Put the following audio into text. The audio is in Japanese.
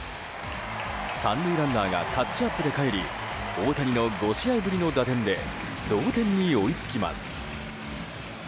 ３塁ランナーがタッチアップでかえり大谷の５試合ぶりの打点で同点に追いつきます。